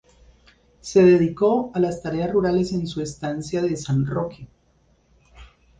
Se dedicó a las tareas rurales en su estancia de San Roque.